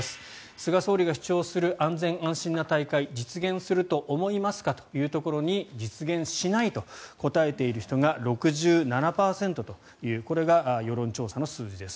菅総理が主張する安心安全な大会実現すると思いますか？というところに実現しないと答えている人が６７％というこれが世論調査の数字です。